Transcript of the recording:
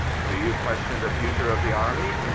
Do you question the future of the Army?